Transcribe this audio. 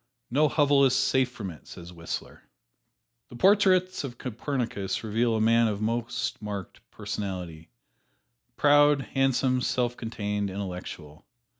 "No hovel is safe from it," says Whistler. The portraits of Copernicus reveal a man of most marked personality: proud, handsome, self contained, intellectual.